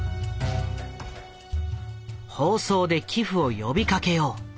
「放送で寄付を呼びかけよう」。